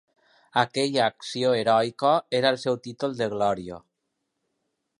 Aquella acció heroica era el seu títol de glòria.